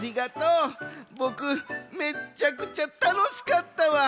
ボクめっちゃくちゃたのしかったわ。